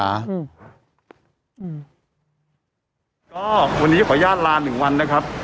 ก็วันนี้ขออนุญาตลาหนึ่งวันนะครับ